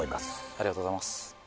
ありがとうございます